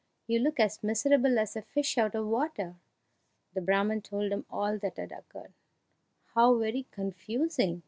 You look as miserable as a fish out of water!" The Brahman told him all that had occurred. "How very confusing!"